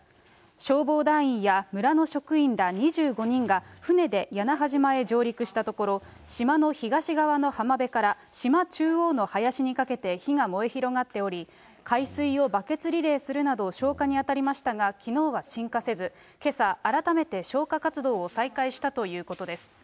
消防団員や村の職員ら２５人が、船で屋那覇島へ上陸したところ、島の東側の浜辺から島中央の林にかけて火が燃え広がっており、海水をバケツリレーするなど消火に当たりましたが、きのうは鎮火せず、けさ、改めて消火活動を再開したということです。